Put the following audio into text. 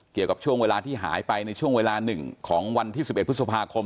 เกี่ยวกับช่วงเวลาที่หายไปในช่วงเวลา๑ของวันที่๑๑พฤษภาคม